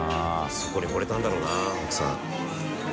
そこにほれたんだろうな奥さん。